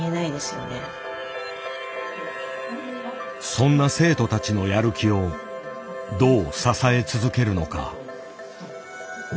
そんな生徒たちのやる気をどう支え続けるのか。